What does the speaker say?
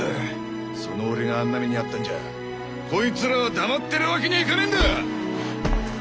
その俺があんな目に遭ったんじゃこいつらは黙ってるわけにはいかねえんだ！